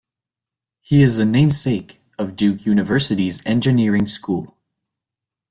He is the namesake of Duke University's Engineering School.